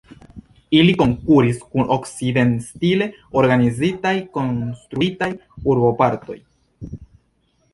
Ili konkuris kun la okcident-stile organizitaj, konstruitaj urbopartoj.